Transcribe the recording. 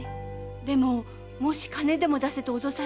でももし金を出せと脅されたら。